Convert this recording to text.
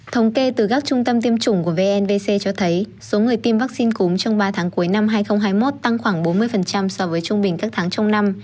thống kê từ các trung tâm tiêm chủng của vnvc cho thấy số người tiêm vaccine cúm trong ba tháng cuối năm hai nghìn hai mươi một tăng khoảng bốn mươi so với trung bình các tháng trong năm